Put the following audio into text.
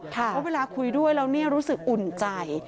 เพราะเวลาคุยด้วยแล้วเนี่ยรู้สึกอุ่นใจ